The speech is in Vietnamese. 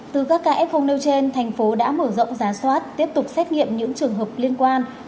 từ các kf nêu trên thành phố đã mở rộng giá soát tiếp tục xét nghiệm những trường hợp liên quan